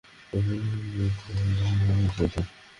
আমি নিশ্চিত তোমার মনে কিছু একটা আছে।